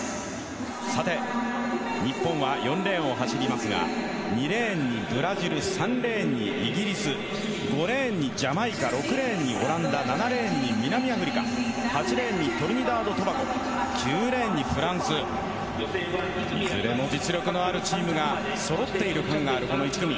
さて日本は４レーンを走りますが２レーンにブラジル３レーンにイギリス５レーンにジャマイカ６レーンにオランダ７レーンに南アフリカ８レーンにトリニダード・トバゴ９レーンにフランスいずれも実力のあるチームがそろっている感があるこの１組。